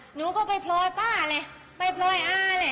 หนูก็ไปพลอยป้าเลยไปพลอยอ้าเลย